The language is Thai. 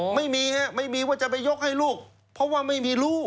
ไม่มีฮะไม่มีว่าจะไปยกให้ลูกเพราะว่าไม่มีลูก